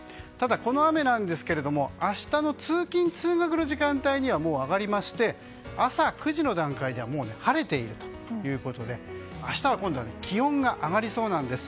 ただ、この雨なんですけれども明日の通勤・通学の時間帯にはもう上がりまして朝９時の段階ではもう晴れているということで今度は明日は気温が上がりそうなんです。